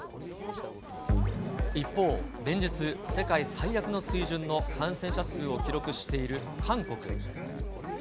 一方、連日、世界最悪の水準の感染者数を記録している韓国。